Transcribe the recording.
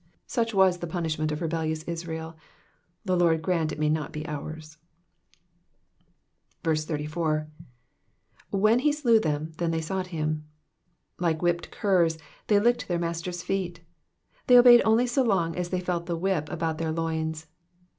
Such was the punishment of rebellious Israel, the Lord grant it may not bo ours. 84. ^"When he slew thetn, then they sought him.''^ Like whipped curs, they licked their Master's feet. They obeyed only so long as they felt the whip about their loins.